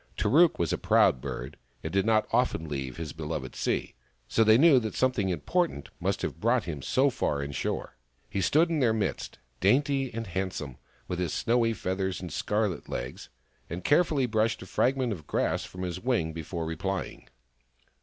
Tarook was a proud bird, and did not often leave his beloved sea ; so they knew that something important must have brought him so far inshore. He stood in their midst, dainty and handsome, with his snowy feathers and scarlet legs, and care fully brushed a fragment of grass from his wing before replying.